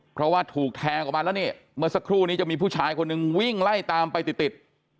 เพราะว่าถูกแทงออกมาแล้วนี่เมื่อสักครู่นี้จะมีผู้ชายคนหนึ่งวิ่งไล่ตามไปติดติด